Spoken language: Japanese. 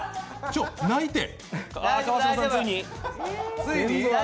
ちょっないて！